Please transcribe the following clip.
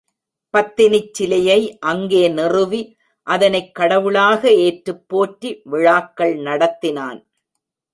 பத்தினிச் சிலையை அங்கே நிறுவி அதனைக் கடவுளாக ஏற்றுப் போற்றி விழாக்கள் நடத்தினான்.